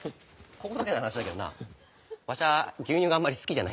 ここだけの話だけどなわしは牛乳があんまり好きじゃないんだ。